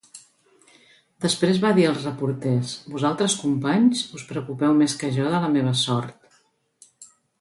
Després va dir als reporters "Vosaltres companys us preocupeu més que jo de la meva sort.